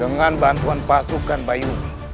dengan bantuan pasukan bayu